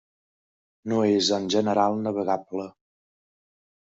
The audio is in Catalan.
No és, en general, navegable.